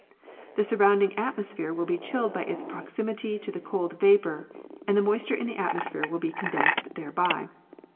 The surrounding atmosphere will be chilled by its proximity to the cold vapor and the moisture in the atmosphere will be condensed thereby.